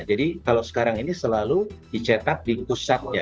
jadi kalau sekarang ini selalu dicetak di pusatnya